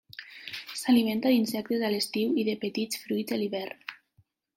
S'alimenta d'insectes a l'estiu i de petits fruits a l'hivern.